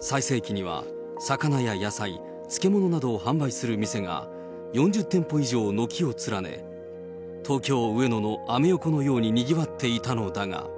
最盛期には魚や野菜、漬物などを販売する店が４０店舗以上軒を連ね、東京・上野のアメ横のようににぎわっていたのだが。